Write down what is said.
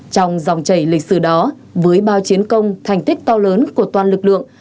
trong dòng chảy lịch sử đó với bao chiến công thành tích to lớn của toàn lực lượng